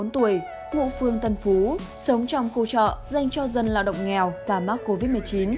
bốn mươi bốn tuổi ngụ phương tân phú sống trong khu trọ dành cho dân lao động nghèo và mắc covid một mươi chín